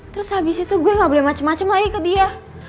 terus abis itu gue gak boleh macem macem lagi ke dia